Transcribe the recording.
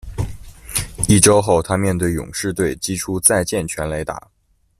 一周后，他面对勇士队击出再见全垒打。